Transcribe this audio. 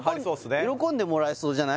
喜んでもらえそうじゃない？